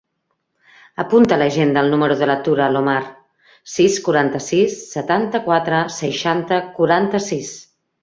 Apunta a l'agenda el número de la Tura Alomar: sis, quaranta-sis, setanta-quatre, seixanta, quaranta-sis.